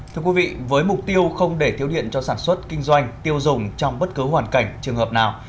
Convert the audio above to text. thưa quý vị với mục tiêu không để thiếu điện cho sản xuất kinh doanh tiêu dùng trong bất cứ hoàn cảnh trường hợp nào